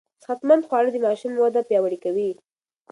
صحتمند خواړه د ماشوم وده پياوړې کوي.